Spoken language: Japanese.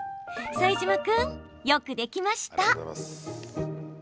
副島君、よくできました！